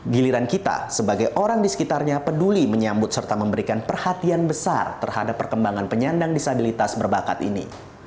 giliran kita sebagai orang di sekitarnya peduli menyambut serta memberikan perhatian besar terhadap perkembangan penyandang disabilitas berbakat ini